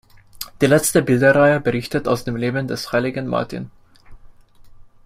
Die letzte Bilderreihe berichtet aus dem Leben des Heiligen Martin.